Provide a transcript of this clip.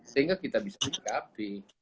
sehingga kita bisa berkapi